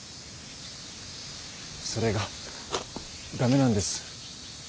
それがダメなんです。